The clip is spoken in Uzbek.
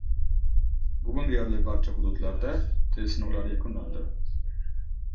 Bugun deyarli barcha hududlarda test sinovlari yakunlanadi